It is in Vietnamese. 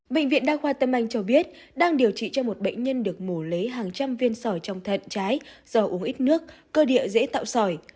bệnh viện đa khoa tâm anh cho biết đang điều trị cho một bệnh nhân được mổ lấy hàng trăm viên sỏi trong thận trái do uống ít nước cơ địa dễ tạo sỏi